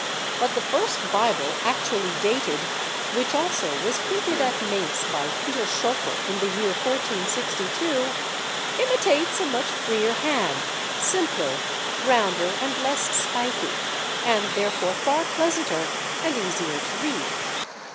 But the first Bible actually dated (which also was printed at Maintz by Peter Schoeffer in the year 1462) imitates a much freer hand, simpler, rounder, and less spiky, and therefore far pleasanter and easier to read.